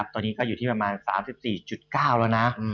ตอนนี้ก็อยู่ที่ประมาณ๓๔๙แล้วนะ